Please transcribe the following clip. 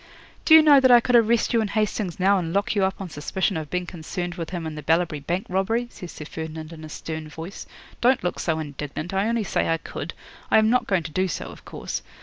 '"Do you know that I could arrest you and Hastings now and lock you up on suspicion of being concerned with him in the Ballabri Bank robbery?" says Sir Ferdinand in a stern voice. "Don't look so indignant. I only say I could. I am not going to do so, of course.